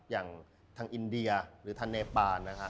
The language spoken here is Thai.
อย่างทางอินเดียหรือทางเนปานนะฮะ